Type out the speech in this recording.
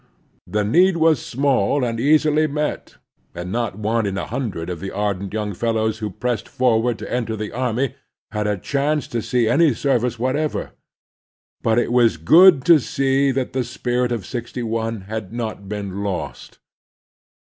The need was small and easily met, and not one in a hundred of the ardent young fellows who pressed forward to enter the army had a chance to see any service whatever. But it was good to see that the spirit of *6i had not been lost.